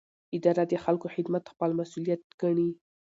اداره د خلکو خدمت خپل مسوولیت ګڼي.